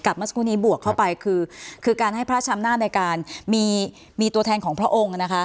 เมื่อสักครู่นี้บวกเข้าไปคือการให้พระชำนาจในการมีตัวแทนของพระองค์นะคะ